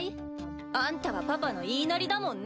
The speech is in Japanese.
あんたはパパの言いなりだもんね。